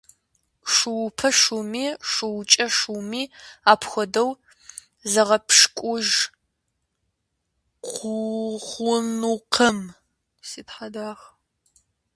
Шуупэ шуми, шуукӀэ шуми апхуэдэу загъэпщкӀуж хъунукъым.